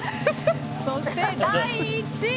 そして、第１位。